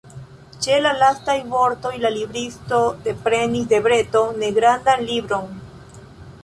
Ĉe la lastaj vortoj la libristo deprenis de breto negrandan libron.